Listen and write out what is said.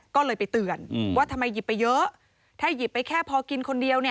ก็เลยไปเตือนว่าทำไมหยิบไปเยอะถ้าหยิบไปแค่พอกินคนเดียว